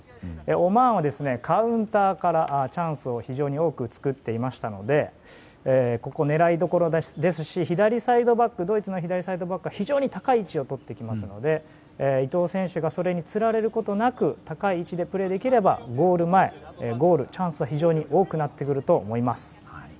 オマーンはカウンターからチャンスを非常に多く作っていましたのでここ、狙いどころですしドイツの左サイドバックは非常に高い位置をとってきますので伊東選手がそれにつられることなく高い位置でプレーできればゴール前、ゴールとチャンスは非常に多くなってくると思います。